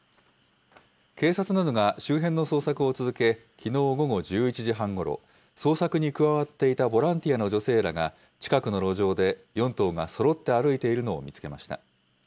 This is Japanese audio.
警察などが周辺の捜索を続け、きのう午後１１時半ごろ、捜索に加わっていたボランティアの女性らが、近くの路上で４頭がそろって歩いているのを見つけました。